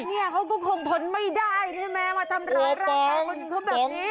เนี่ยเขาก็คงทนไม่ได้ใช่ไหมมาทำร้ายร่างกายคนหนึ่งเขาแบบนี้